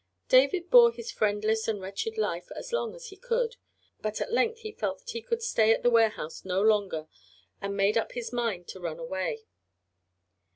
David bore this friendless and wretched life as long as he could, but at length he felt that he could stay at the warehouse no longer and made up his mind to run away.